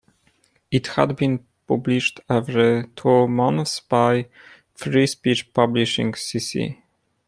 It had been published every two months by Free Speech Publishing cc.